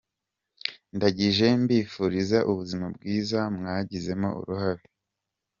Ndangije mbifuriza ubuzima bwiza, mwagizemo uruhare!.